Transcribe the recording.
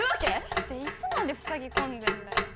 だっていつまで塞ぎこんでんだよ